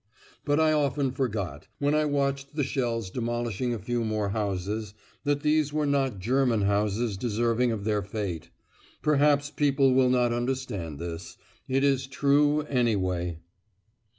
But I often forgot, when I watched the shells demolishing a few more houses, that these were not German houses deserving of their fate. Perhaps people will not understand this: it is true, anyway.